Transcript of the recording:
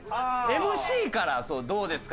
ＭＣから「どうですか？